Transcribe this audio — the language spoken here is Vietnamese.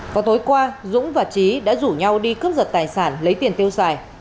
vào tối qua dũng và trí đã rủ nhau đi cướp giật tài sản lấy tiền tiêu xài